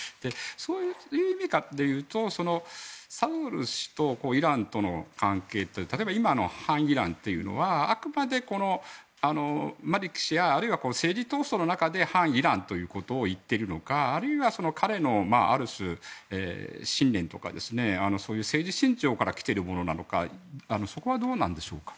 そういう意味でいうとサドル師とイランとの関係って例えば今の反イランというのはあくまでマリキ氏や政治闘争の中で反イランということを言っているのかあるいは、彼のある種、信念とかの政治信条から来ているものなのかそこはどうでしょうか。